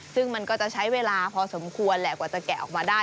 ซึ่งมันก็จะใช้เวลาพอสมควรแหละกว่าจะแกะออกมาได้